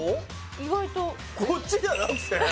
意外とこっちじゃなくて？